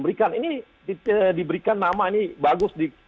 berikan ini diberikan nama ini bagus